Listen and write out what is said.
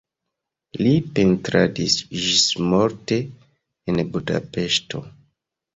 Li pentradis ĝismorte en Budapeŝto.